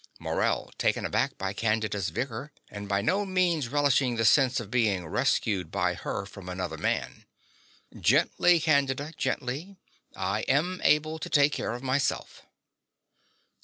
MORELL (taken aback by Candida's vigor, and by no means relishing the sense of being rescued by her from another man). Gently, Candida, gently. I am able to take care of myself.